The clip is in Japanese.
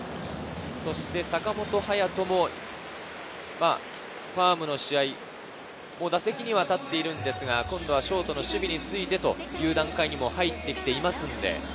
そして坂本勇人もファームの試合、打席には立っているのですが、今度はショートの守備についてという段階に入ってきています。